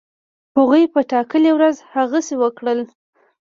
هغوی په ټاکلې ورځ هغسی وکړل.